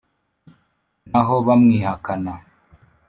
na ho hamwihakana